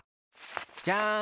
じゃん！